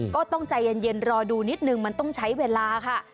ก็ต้องใจเย็นรอดูนิดนึงมันต้องใช้เวลาค่ะ